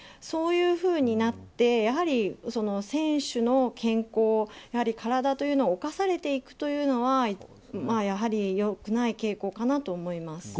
そういうふうになってやはり、選手の健康体というのがおかされていくというのはやはり良くない傾向かなと思います。